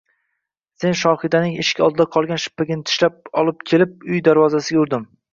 Men Shohidaning eshik oldida qolgan shippagini tishlab olib kelib uy derazasiga urdim